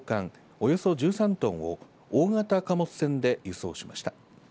およそ１３トンを大型貨物船で輸送しました。